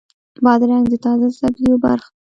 بادرنګ د تازه سبزیو برخه ده.